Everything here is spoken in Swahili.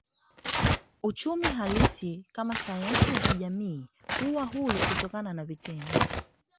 Uchumi halisi kama sayansi ya kijamii huwa huru kutoka kwa vitendo